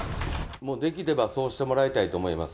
もうできればそうしてもらいたいと思います。